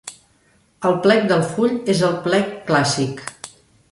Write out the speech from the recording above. El plec del full és el plec clàssic.